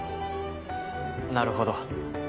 なるほど。